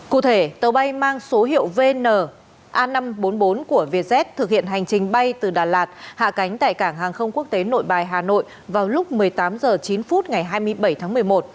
cụ thể tàu bay mang số hiệu vn a năm trăm bốn mươi bốn của vietjet thực hiện hành trình bay từ đà lạt hạ cánh tại cảng hàng không quốc tế nội bài hà nội vào lúc một mươi tám h chín ngày hai mươi bảy tháng một mươi một